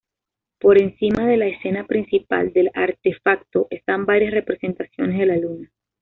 Por encima de la escena principal del artefacto están varias representaciones de la Luna.